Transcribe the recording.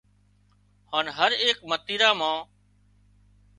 هانَ هر ايڪ متريرا مان